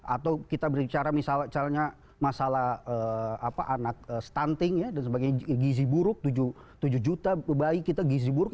atau kita berbicara misalnya masalah anak stunting dan sebagainya gizi buruk tujuh juta bayi kita gizi buruk